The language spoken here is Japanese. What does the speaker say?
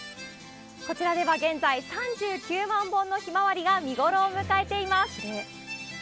こちらでは現在、３９万本のヒマワリが見頃を迎えています。